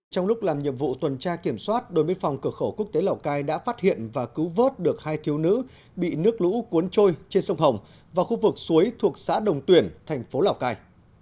trong lúc làm nhiệm vụ tuần tra kiểm soát đồn biên phòng cửa khẩu quốc tế lào cai đã phát hiện và cứu vớt được hai thiếu nữ bị nước lũ cuốn trôi trên sông hồng và khu vực suối thuộc xã đồng tuyển thành phố lào cai